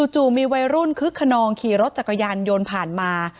จู่มีวัยรุ่นคึกขนองขี่รถจักรยานยนต์ผ่านมา